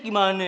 kamu mau main